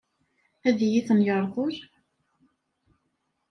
Ad iyi-ten-yeṛḍel?